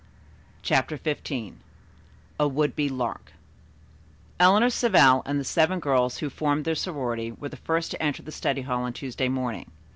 CHAPTER XV A WOULD BE "LARK" Eleanor Savell and the seven girls who formed their sorority were the first to enter the study hall on Tuesday morning.